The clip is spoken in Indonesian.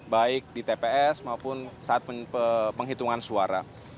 baik di tps maupun saat penghitungan suara